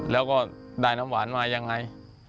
แล้วก็ได้น้ำหวานมายังไง